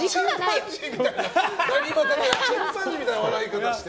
チンパンジーみたいな笑い方して。